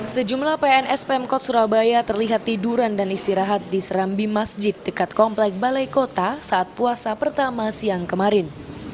sejumlah pns pemkot surabaya terlihat tiduran dan istirahat di serambi masjid dekat komplek balai kota saat puasa pertama siang kemarin